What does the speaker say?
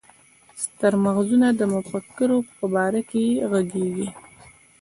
ستر مغزونه د مفکورو په باره کې ږغيږي.